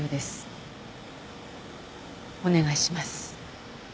お願いします。